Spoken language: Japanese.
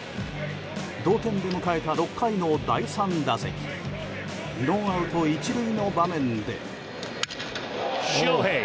同点で迎えた６回の第３打席ノーアウト１塁の場面で。